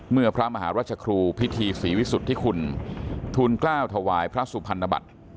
เมื่อพระมหารัชครูพิธีศรีวิสุทธิคุณทูลกล้าวถวายพระสุพรรณบัติ